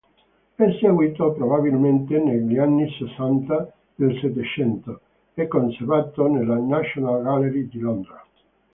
Eseguito probabilmente negli anni sessanta del settecento, è conservato nella National Gallery di Londra.